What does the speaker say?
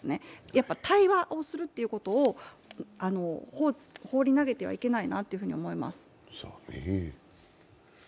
やっぱり対話をするってことを放り投げてはいけないなと思います。